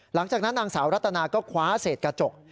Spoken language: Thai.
หลังจากนั้นนางสาวรัตนาก็คว้าเศษกระจก